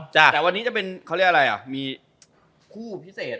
แต่วันนี้จะเป็นคู่พิเศษ